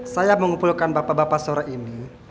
saya mengumpulkan bapak bapak sore ini